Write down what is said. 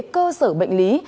cơ sở bệnh lý